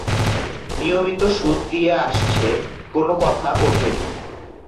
নিয়মিত সুদ দিয়ে আসছে, কোনো কথা ওঠে নি।